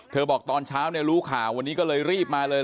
บอกตอนเช้ารู้ข่าววันนี้ก็เลยรีบมาเลย